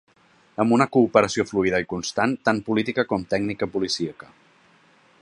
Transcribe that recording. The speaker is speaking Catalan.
Amb una cooperació fluïda i constant, tant política com tècnica policíaca.